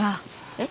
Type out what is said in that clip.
えっ？